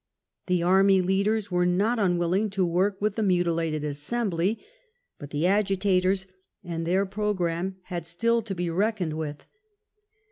The Army leaders were *^^' not unwilling to work with the mutilated assembly, but the " Agitators " and thek programme had still to be reckoned CROMWELL IN IRELAND. 6l with.